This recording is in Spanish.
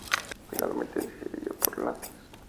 Finalmente se decidió por Lanús.